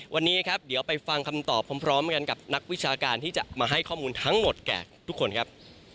วันนี้ครับเดี๋ยวไปฟังคำตอบพร้อมกันกับนักวิชาการที่จะมาให้ข้อมูลทั้งหมดแก่ทุกคนครับ